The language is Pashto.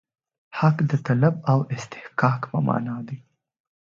حق د طلب او استحقاق په معنا دی.